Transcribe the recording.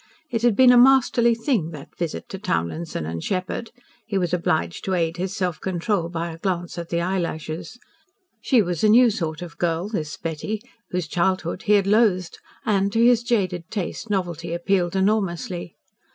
It had been a masterly thing, that visit to Townlinson & Sheppard. He was obliged to aid his self control by a glance at the eyelashes. She was a new sort of girl, this Betty, whose childhood he had loathed, and, to his jaded taste, novelty appealed enormously.